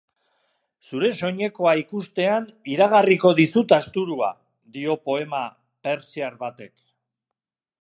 Zure soinekoa ikustean iragarriko dizut asturua, dio poema pertsiar batek.